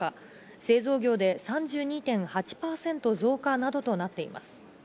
製造業で３２．８％増加などとなっています。